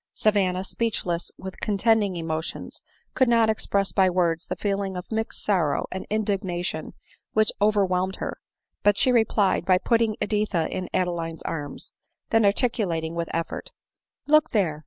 Savanna, speechless with contending emotions, could not express by words the feeling of mixed sorrow and indignation which overwhelmed her ; but she replied by putting Editha in Adeline's arms; then articulating with effort, " Look there